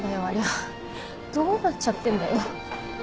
ありゃどうなっちゃってんだよ。